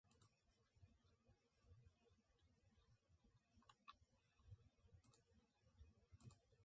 However, her explicitly non-Aryan appearance relegated her mostly to femme-fatales or problematic foreign women.